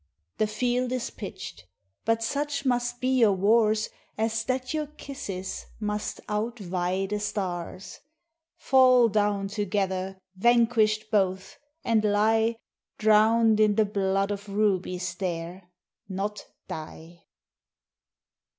The Field is pitch't ; but such must be your warres, As that your kisses must out vie the Starres. FaU down together vanquisht both, and lye Drown'd in the bloud of Rubies there, not die.